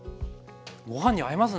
ご飯に合いますね。